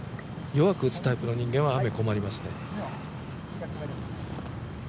弱く打つタイプの人間は、雨、困りますね。